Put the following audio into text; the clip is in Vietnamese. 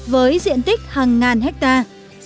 với diện tích hàng ngàn hectare